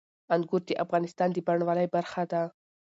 انګور د افغانستان د بڼوالۍ برخه ده.